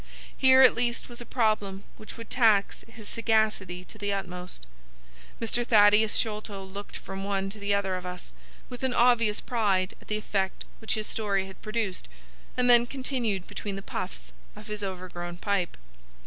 Here at least was a problem which would tax his sagacity to the utmost. Mr. Thaddeus Sholto looked from one to the other of us with an obvious pride at the effect which his story had produced, and then continued between the puffs of his overgrown pipe.